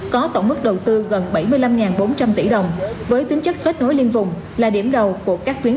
có tổng mức đầu tư gần bảy mươi năm bốn trăm linh tỷ đồng với tính chất kết nối liên vùng là điểm đầu của các tuyến